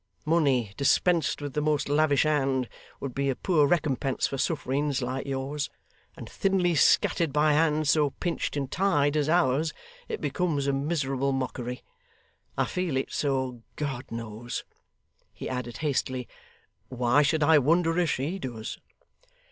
Money, dispensed with the most lavish hand, would be a poor recompense for sufferings like yours; and thinly scattered by hands so pinched and tied as ours, it becomes a miserable mockery. I feel it so, God knows,' he added, hastily. 'Why should I wonder if she does!